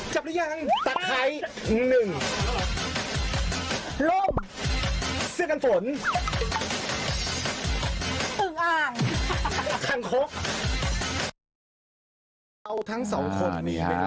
จับแล้วยังหนึ่งร่มเสื้อกันฝนอ่าทั้งครบอ่านี่ฮะ